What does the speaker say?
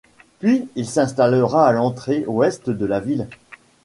Puis il s'installera à l'entrée ouest de la ville.